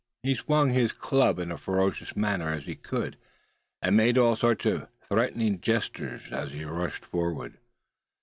He swung his club in as ferocious a manner as he could, and made all sorts of threatening gestures as he rushed forward.